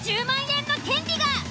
１０万円の権利が。